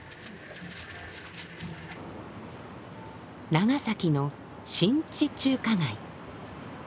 長崎の新地中華街。